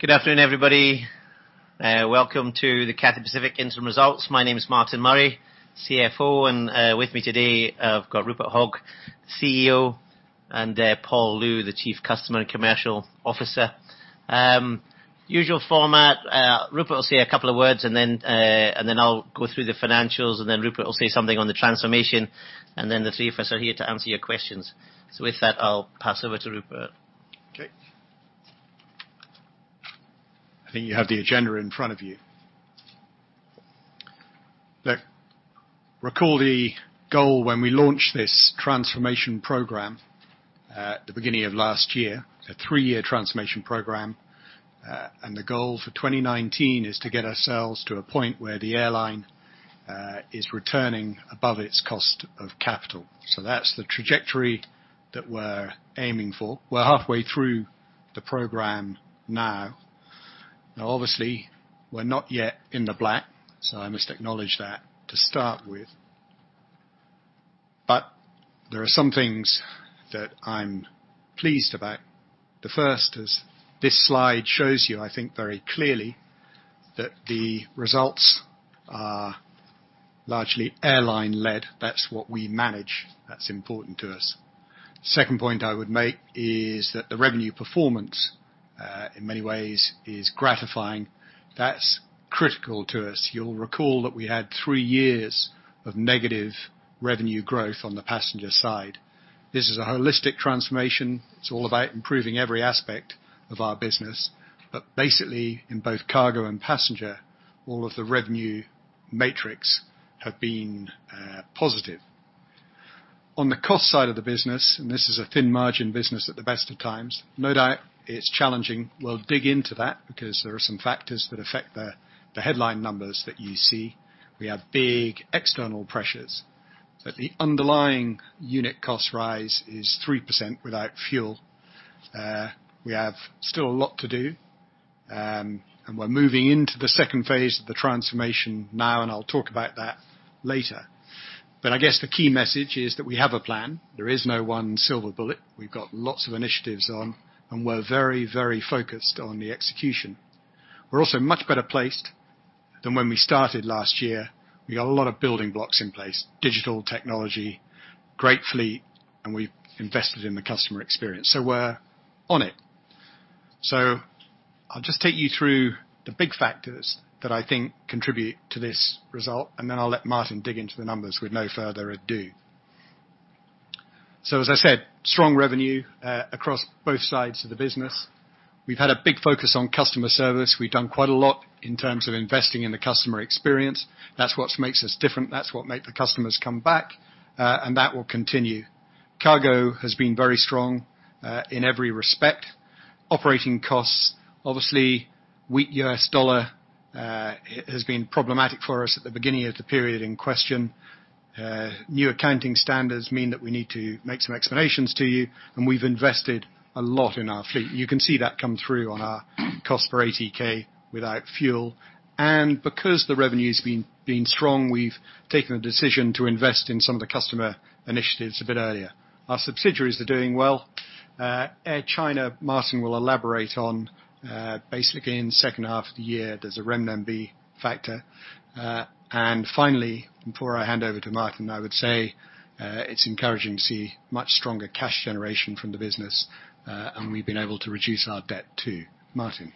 Good afternoon, everybody. Welcome to the Cathay Pacific Interim Results. My name is Martin Murray, CFO, and with me today I've got Rupert Hogg, CEO, and Paul Loo, the Chief Customer and Commercial Officer. Usual format, Rupert will say a couple of words then I'll go through the financials, then Rupert will say something on the transformation, then the three of us are here to answer your questions. With that, I'll pass over to Rupert. I think you have the agenda in front of you. Recall the goal when we launched this transformation program at the beginning of last year, a three-year transformation program. The goal for 2019 is to get ourselves to a point where the airline is returning above its cost of capital. That's the trajectory that we're aiming for. We're halfway through the program now. We're not yet in the black, I must acknowledge that to start with. There are some things that I'm pleased about. The first is, this slide shows you, I think very clearly, that the results are largely airline led. That's what we manage. That's important to us. Second point I would make is that the revenue performance, in many ways, is gratifying. That's critical to us. You'll recall that we had three years of negative revenue growth on the passenger side. This is a holistic transformation. It's all about improving every aspect of our business. Basically, in both cargo and passenger, all of the revenue metrics have been positive. On the cost side of the business, this is a thin margin business at the best of times, no doubt it's challenging. We'll dig into that because there are some factors that affect the headline numbers that you see. We have big external pressures, the underlying unit cost rise is 3% without fuel. We have still a lot to do, we're moving into the second phase of the transformation now, I'll talk about that later. I guess the key message is that we have a plan. There is no one silver bullet. We've got lots of initiatives on, we're very focused on the execution. We're also much better placed than when we started last year. We got a lot of building blocks in place, digital technology, great fleet, we've invested in the customer experience, we're on it. I'll just take you through the big factors that I think contribute to this result, then I'll let Martin dig into the numbers with no further ado. As I said, strong revenue, across both sides of the business. We've had a big focus on customer service. We've done quite a lot in terms of investing in the customer experience. That's what makes us different. That's what make the customers come back. That will continue. Cargo has been very strong, in every respect. Operating costs, obviously, weak U.S. U.S. dollar has been problematic for us at the beginning of the period in question. New accounting standards mean that we need to make some explanations to you, and we've invested a lot in our fleet. You can see that come through on our cost per ATK without fuel. Because the revenue's been strong, we've taken a decision to invest in some of the customer initiatives a bit earlier. Our subsidiaries are doing well. Air China, Martin will elaborate on, basically in the second half of the year, there's a renminbi factor. Finally, before I hand over to Martin, I would say, it's encouraging to see much stronger cash generation from the business, and we've been able to reduce our debt, too. Martin.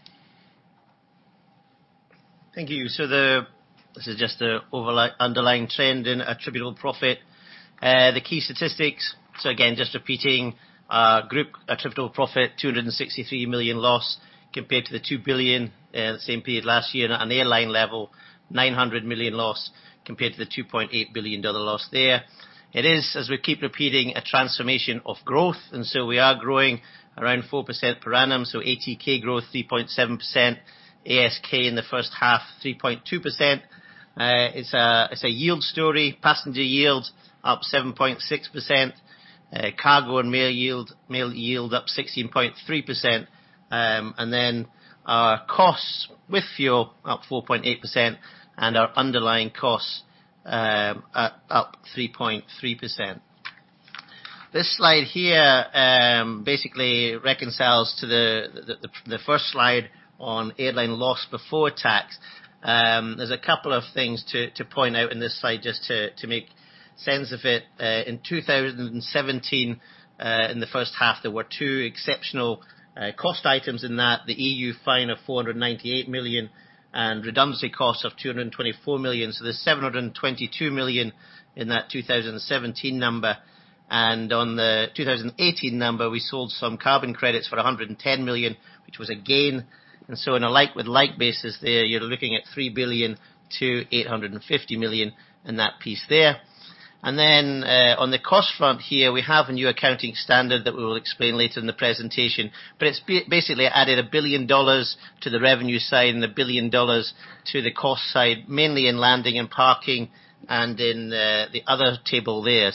Thank you. This is just the underlying trend in attributable profit. The key statistics, group attributable profit, 263 million loss compared to the 2 billion same period last year. On an airline level, 900 million loss compared to the HKD 2.8 billion loss there. It is, as we keep repeating, a transformation of growth. We are growing around 4% per annum. ATK growth 3.7%, ASK in the first half, 3.2%. It's a yield story. Passenger yield up 7.6%. Cargo and mail yield up 16.3%. Our costs with fuel up 4.8%, and our underlying costs up 3.3%. This slide here basically reconciles to the first slide on airline loss before tax. There's a couple of things to point out in this slide just to make sense of it. In 2017, in the first half, there were two exceptional cost items in that, the EU fine of 498 million and redundancy costs of 224 million. There's 722 million in that 2017 number. On the 2018 number, we sold some carbon credits for 110 million, which was a gain. On a like-with-like basis there, you're looking at 3 billion to 850 million in that piece there. On the cost front here, we have a new accounting standard that we will explain later in the presentation, but it's basically added 1 billion dollars to the revenue side and 1 billion dollars to the cost side, mainly in landing and parking and in the other table there.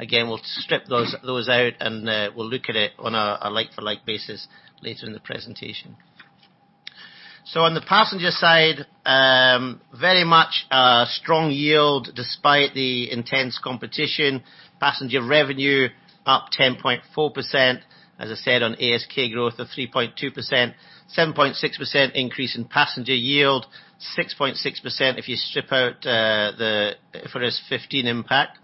Again, we'll strip those out and we'll look at it on a like-for-like basis later in the presentation. On the passenger side, very much a strong yield despite the intense competition. Passenger revenue up 10.4%, as I said, on ASK growth of 3.2%. 7.6% increase in passenger yield, 6.6% if you strip out the IFRS 15 impact.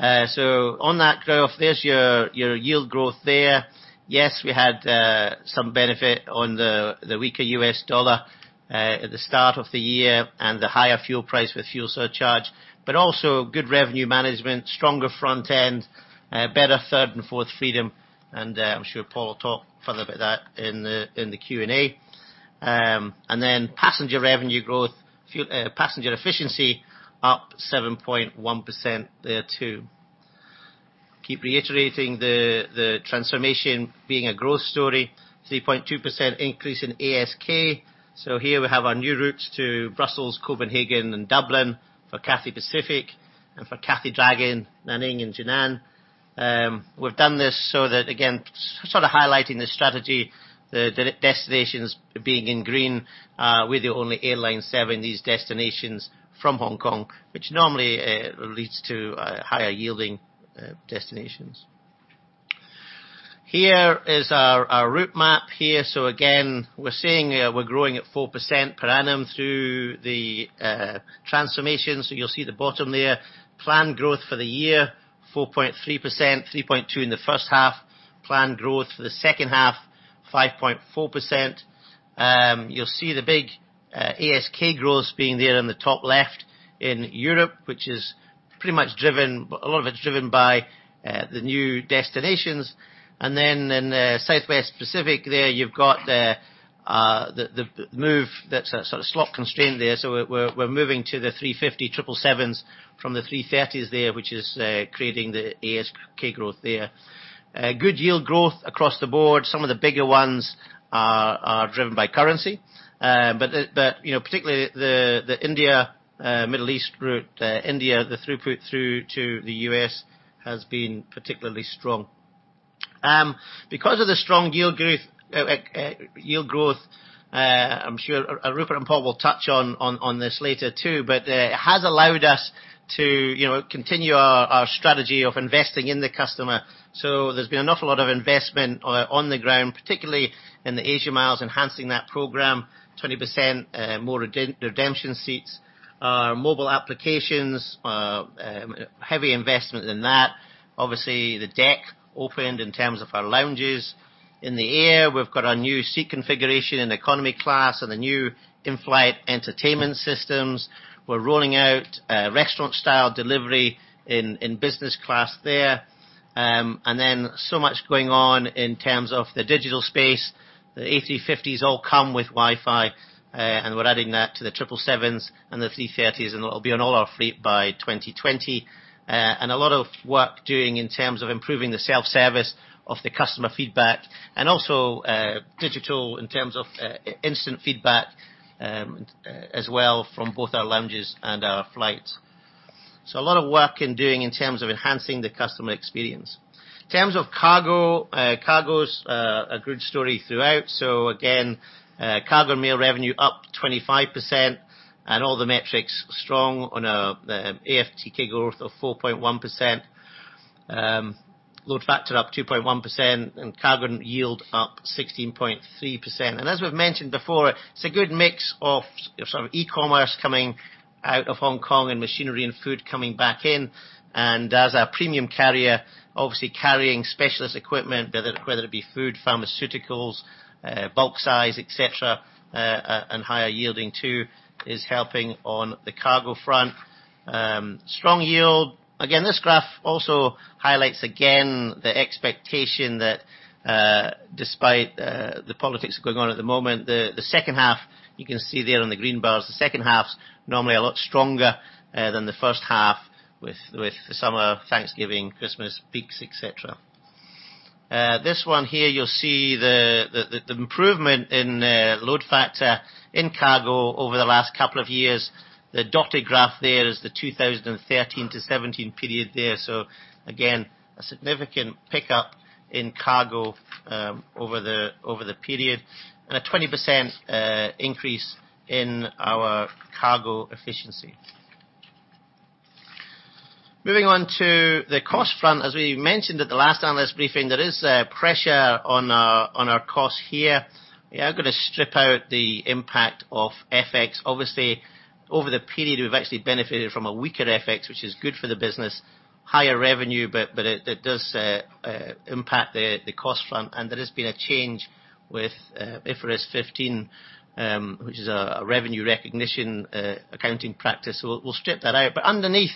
On that growth, there's your yield growth there. Yes, we had some benefit on the weaker U.S. dollar at the start of the year and the higher fuel price with fuel surcharge, but also good revenue management, stronger front end, better third and fourth freedom, and I'm sure Paul will talk further about that in the Q&A. Passenger revenue growth, passenger efficiency up 7.1% there too. Keep reiterating the transformation being a growth story, 3.2% increase in ASK. Here we have our new routes to Brussels, Copenhagen, and Dublin for Cathay Pacific and for Cathay Dragon, Nanning and Jinan. We've done this so that, again, sort of highlighting the strategy, the destinations being in green. We're the only airline serving these destinations from Hong Kong, which normally leads to higher yielding destinations. Here is our route map here. Again, we're seeing we're growing at 4% per annum through the transformation. You'll see the bottom there. Planned growth for the year, 4.3%, 3.2 in the first half. Planned growth for the second half, 5.4%. You'll see the big ASK growth being there on the top left in Europe, which a lot of it is driven by the new destinations. In the Southwest Pacific there, you've got the move that's sort of slot constrained there. We're moving to the A350 777s from the A330s there, which is creating the ASK growth there. Good yield growth across the board. Some of the bigger ones are driven by currency. Particularly the India, Middle East route. India, the throughput through to the U.S. has been particularly strong. Because of the strong yield growth, I'm sure Rupert and Paul will touch on this later too, but it has allowed us to continue our strategy of investing in the customer. There's been an awful lot of investment on the ground, particularly in the Asia Miles, enhancing that program, 20% more redemption seats. Our mobile applications, heavy investment in that. Obviously, the deck opened in terms of our lounges. In the air, we've got our new seat configuration in economy class and the new in-flight entertainment systems. We're rolling out restaurant-style delivery in business class there. So much going on in terms of the digital space. The A350s all come with Wi-Fi, and we're adding that to the 777s and the A330s, and it'll be on all our fleet by 2020. A lot of work doing in terms of improving the self-service of the customer feedback, and also digital in terms of instant feedback, as well from both our lounges and our flights. A lot of work in doing in terms of enhancing the customer experience. In terms of cargo's a good story throughout. Again, cargo mail revenue up 25% and all the metrics strong on AFTK growth of 4.1%. Load factor up 2.1% and cargo yield up 16.3%. As we've mentioned before, it's a good mix of sort of e-commerce coming out of Hong Kong and machinery and food coming back in. As a premium carrier, obviously carrying specialist equipment, whether it be food, pharmaceuticals, bulk size, et cetera, and higher yielding too, is helping on the cargo front. Strong yield. Again, this graph also highlights, again, the expectation that despite the politics going on at the moment, the second half, you can see there on the green bars, the second half's normally a lot stronger than the first half with the summer, Thanksgiving, Christmas peaks, et cetera. This one here, you'll see the improvement in load factor in cargo over the last couple of years. The dotted graph there is the 2013-2017 period there. Again, a significant pickup in cargo over the period and a 20% increase in our cargo efficiency. Moving on to the cost front. As we mentioned at the last analyst briefing, there is pressure on our cost here. We are going to strip out the impact of FX. Obviously, over the period, we've actually benefited from a weaker FX, which is good for the business. Higher revenue, but it does impact the cost front. There has been a change with IFRS 15, which is a revenue recognition accounting practice. We'll strip that out. Underneath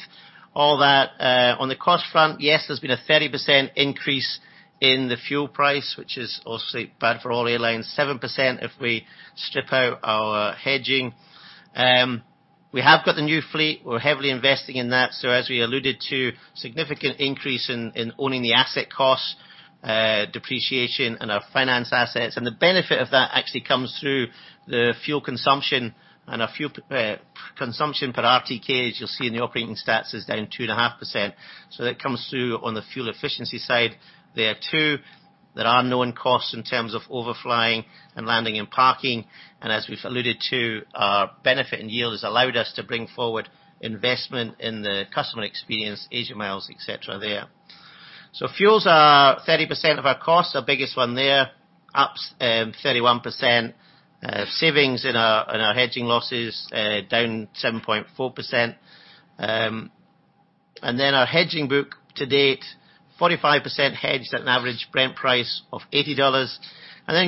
all that, on the cost front, yes, there's been a 30% increase in the fuel price, which is obviously bad for all airlines. 7% if we strip out our hedging. We have got the new fleet. We're heavily investing in that. As we alluded to, significant increase in owning the asset costs, depreciation, and our finance assets. The benefit of that actually comes through the fuel consumption and our fuel consumption per RTK, as you'll see in the operating stats, is down 2.5%. That comes through on the fuel efficiency side there too. There are known costs in terms of overflying and landing and parking. As we've alluded to, our benefit and yield has allowed us to bring forward investment in the customer experience, Asia Miles, et cetera, there. Fuels are 30% of our costs, the biggest one there, up 31%. Savings in our hedging losses, down 7.4%. Our hedging book to date, 45% hedged at an average Brent price of $80.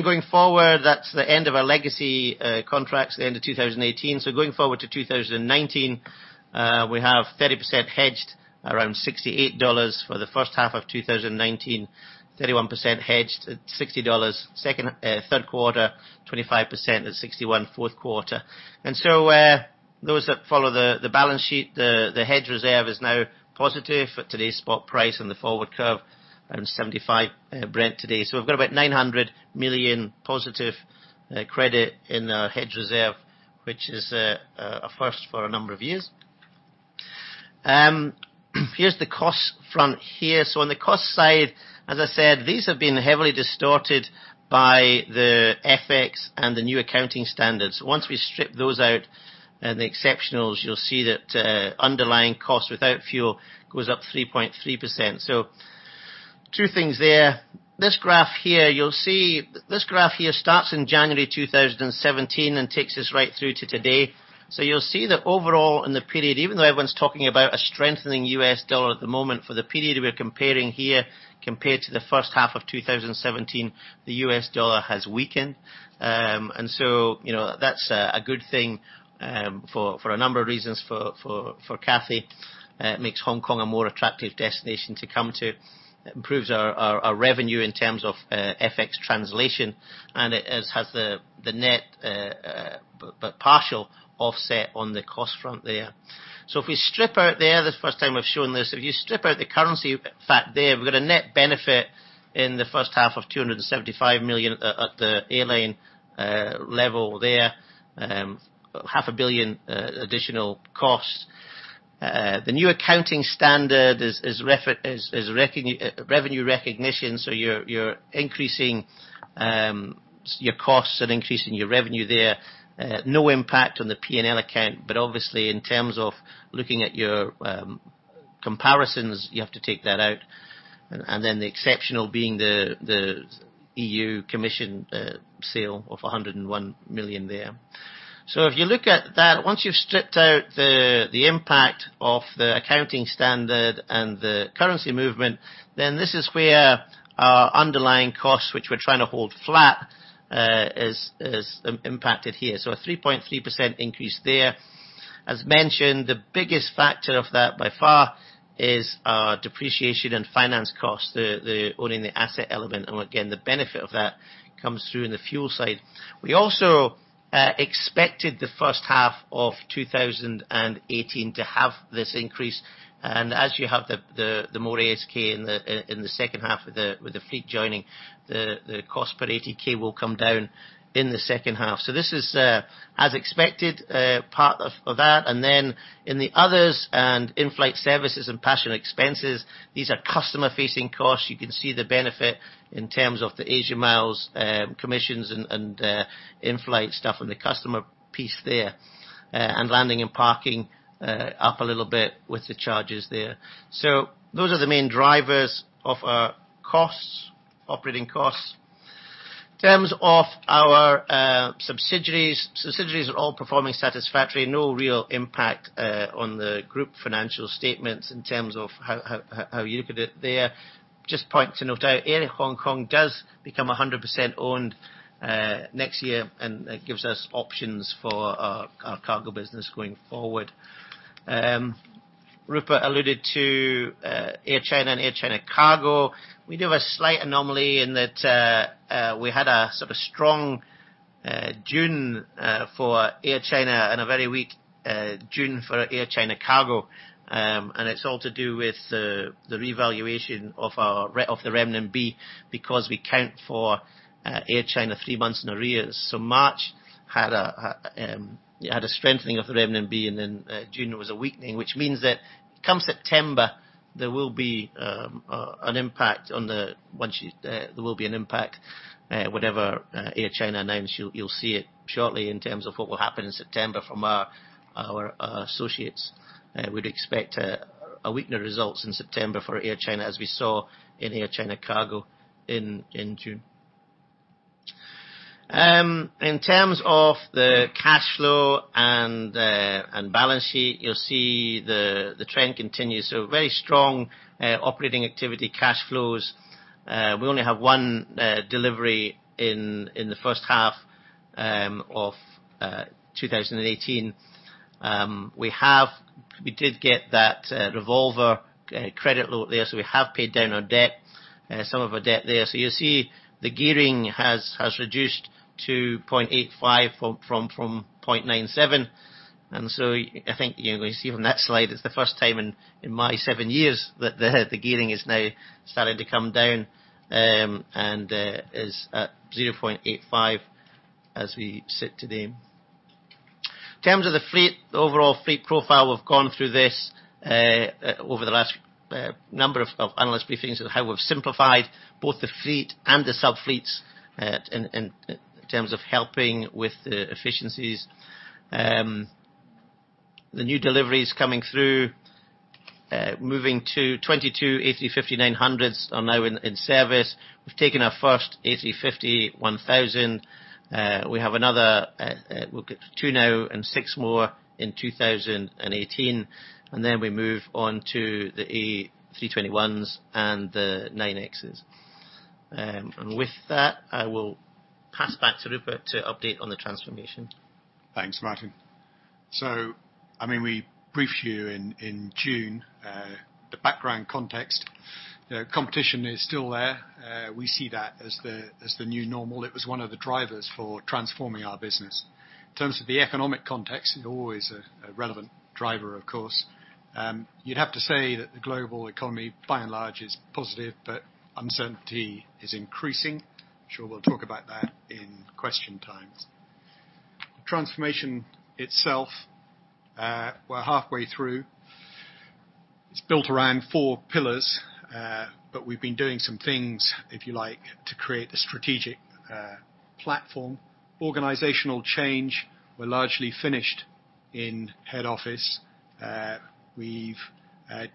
Going forward, that's the end of our legacy contracts at the end of 2018. Going forward to 2019, we have 30% hedged around $68 for the first half of 2019, 31% hedged at $60, third quarter, 25% at 61 fourth quarter. Those that follow the balance sheet, the hedge reserve is now positive for today's spot price and the forward curve and $75 Brent today. We've got about 900 million positive credit in our hedge reserve, which is a first for a number of years. Here's the cost front here. On the cost side, as I said, these have been heavily distorted by the FX and the new accounting standards. Once we strip those out and the exceptionals, you'll see that underlying cost without fuel goes up 3.3%. Two things there. This graph here starts in January 2017 and takes us right through to today. You'll see that overall in the period, even though everyone's talking about a strengthening U.S. dollar at the moment, for the period we're comparing here compared to the first half of 2017, the U.S. dollar has weakened. That's a good thing for a number of reasons for Cathay. It makes Hong Kong a more attractive destination to come to. It improves our revenue in terms of FX translation, and it has the net but partial offset on the cost front there. If we strip out there, the first time we've shown this, if you strip out the currency fact there, we've got a net benefit in the first half of 275 million at the airline level there, HKD half a billion additional cost. The new accounting standard is revenue recognition, so you're increasing your costs and increasing your revenue there. No impact on the P&L account, but obviously in terms of looking at your comparisons, you have to take that out. The exceptional being the European Commission sale of 110 million there. If you look at that, once you have stripped out the impact of the accounting standard and the currency movement, then this is where our underlying cost, which we are trying to hold flat, is impacted here. A 3.3% increase there. As mentioned, the biggest factor of that by far is our depreciation and finance cost, the owning the asset element. Again, the benefit of that comes through in the fuel side. We also expected the first half of 2018 to have this increase. As you have the more ASK in the second half with the fleet joining, the cost per ATK will come down in the second half. This is, as expected, part of that. In the others and inflight services and passenger expenses, these are customer-facing costs. You can see the benefit in terms of the Asia Miles commissions and inflight stuff and the customer piece there. Landing and parking up a little bit with the charges there. Those are the main drivers of our operating costs. In terms of our subsidiaries. Subsidiaries are all performing satisfactory. No real impact on the group financial statements in terms of how you look at it there. Just point to note out, Air Hong Kong does become 100% owned next year, and it gives us options for our cargo business going forward. Rupert alluded to Air China and Air China Cargo. We do have a slight anomaly in that we had a sort of strong June for Air China and a very weak June for Air China Cargo. It is all to do with the revaluation of the renminbi because we account for Air China three months in arrears. March had a strengthening of the renminbi, and June was a weakening, which means that come September, there will be an impact, whatever Air China announce, you will see it shortly in terms of what will happen in September from our associates. We would expect a weaker results in September for Air China, as we saw in Air China Cargo in June. In terms of the cash flow and balance sheet, you will see the trend continues. Very strong operating activity, cash flows. We only have one delivery in the first half of 2018. We did get that revolver credit loan there, so we have paid down our debt, some of our debt there. You will see the gearing has reduced to 0.85 from 0.97. I think you are going to see from that slide, it is the first time in my seven years that the gearing is now starting to come down and is at 0.85 as we sit today. In terms of the fleet, the overall fleet profile, we have gone through this over the last number of analyst briefings of how we have simplified both the fleet and the sub-fleets in terms of helping with the efficiencies. The new deliveries coming through, moving to 22 A350-900s are now in service. We have taken our first A350-1000. We have two now and six more in 2018, and then we move on to the A321s and the 9Xs. With that, I will pass back to Rupert to update on the transformation. Thanks, Martin. We briefed you in June. The background context, competition is still there. We see that as the new normal. It was one of the drivers for transforming our business. In terms of the economic context, and always a relevant driver, of course, you'd have to say that the global economy by and large is positive, but uncertainty is increasing. I'm sure we'll talk about that in question times. Transformation itself, we're halfway through. It's built around four pillars, but we've been doing some things, if you like, to create the strategic platform. Organizational change, we're largely finished in head office. We've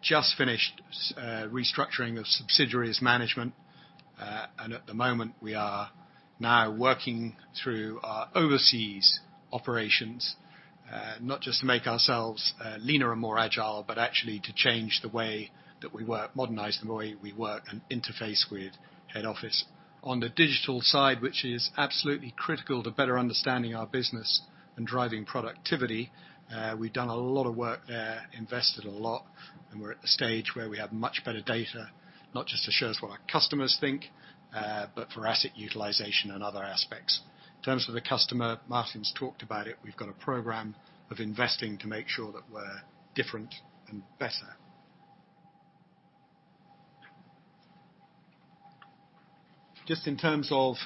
just finished restructuring of subsidiaries management. At the moment, we are now working through our overseas operations, not just to make ourselves leaner and more agile, but actually to change the way that we work, modernize the way we work, and interface with head office. On the digital side, which is absolutely critical to better understanding our business and driving productivity, we've done a lot of work there, invested a lot, and we're at the stage where we have much better data, not just that shows what our customers think, but for asset utilization and other aspects. In terms of the customer, Martin's talked about it, we've got a program of investing to make sure that we're different and better. Just in terms of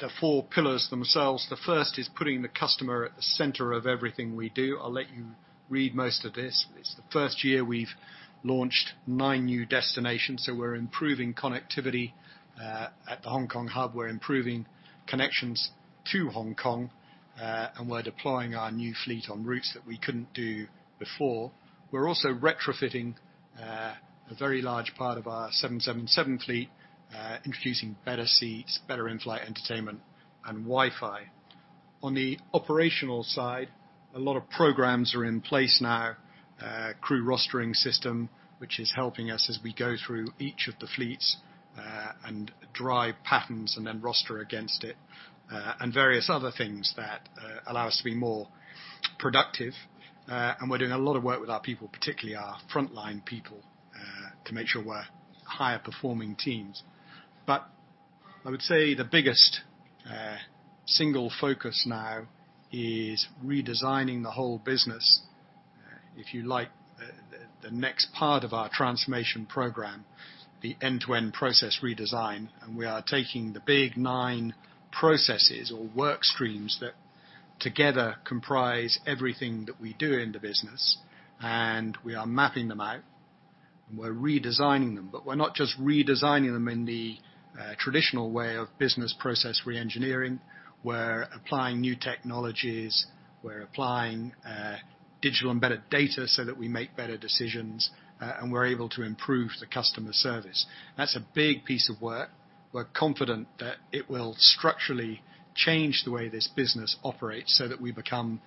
the four pillars themselves, the first is putting the customer at the center of everything we do. I'll let you read most of this. It's the first year we've launched nine new destinations, so we're improving connectivity at the Hong Kong hub. We're improving connections to Hong Kong, and we're deploying our new fleet on routes that we couldn't do before. We're also retrofitting a very large part of our 777 fleet, introducing better seats, better in-flight entertainment, and Wi-Fi. On the operational side, a lot of programs are in place now. Crew rostering system, which is helping us as we go through each of the fleets, and drive patterns and then roster against it, and various other things that allow us to be more productive. We're doing a lot of work with our people, particularly our frontline people, to make sure we're higher performing teams. I would say the biggest single focus now is redesigning the whole business. If you like, the next part of our transformation program, the end-to-end process redesign, and we are taking the big nine processes or work streams that together comprise everything that we do in the business, and we are mapping them out, and we're redesigning them. We're not just redesigning them in the traditional way of business process re-engineering. We're applying new technologies, we're applying digital and better data so that we make better decisions, and we're able to improve the customer service. That's a big piece of work. We're confident that it will structurally change the way this business operates so that we become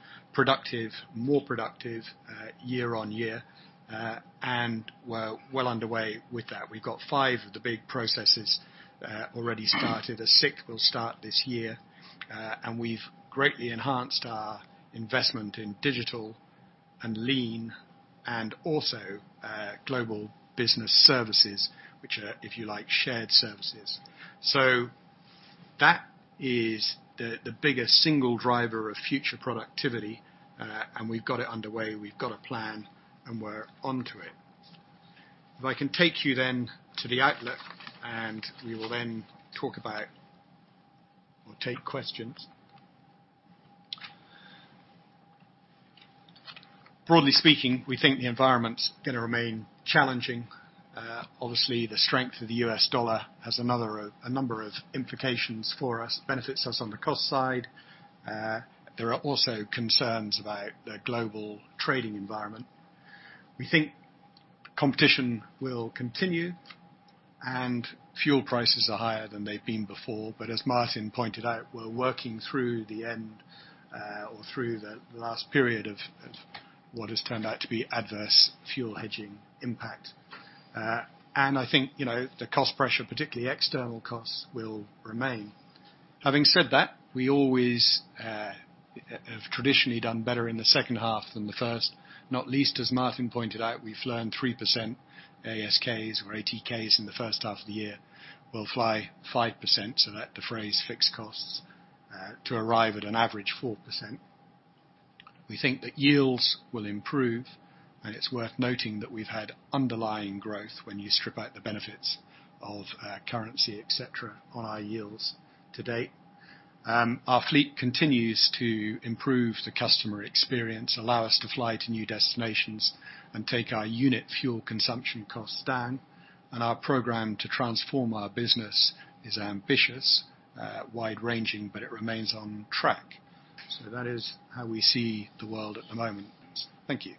more productive year on year, and we're well underway with that. We've got five of the big processes already started. A sixth will start this year. We've greatly enhanced our investment in digital and lean and also global business services, which are, if you like, shared services. That is the biggest single driver of future productivity, and we've got it underway. We've got a plan, and we're on to it. If I can take you then to the outlook, we will then talk about or take questions. Broadly speaking, we think the environment's going to remain challenging. Obviously, the strength of the U.S. dollar has a number of implications for us, benefits us on the cost side. There are also concerns about the global trading environment. We think competition will continue, and fuel prices are higher than they've been before. As Martin pointed out, we're working through the end or through the last period of what has turned out to be adverse fuel hedging impact. I think the cost pressure, particularly external costs, will remain. Having said that, we always have traditionally done better in the second half than the first. Not least, as Martin pointed out, we've launched 3% ASKs or ATKs in the first half of the year. We'll fly 5%, [let the phrase] fixed costs, to arrive at an average 4%. We think that yields will improve, and it's worth noting that we've had underlying growth when you strip out the benefits of currency, et cetera, on our yields to date. Our fleet continues to improve the customer experience, allow us to fly to new destinations, and take our unit fuel consumption costs down. Our program to transform our business is ambitious, wide-ranging, but it remains on track. That is how we see the world at the moment. Thank you.